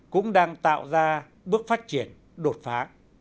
cũng đang tạo ra bước phát triển đột phá